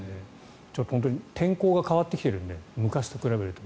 天候が変わってきているので昔と比べると。